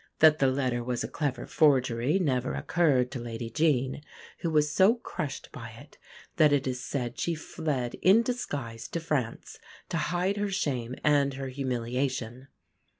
That the letter was a clever forgery never occurred to Lady Jean, who was so crushed by it that it is said she fled in disguise to France to hide her shame and her humiliation.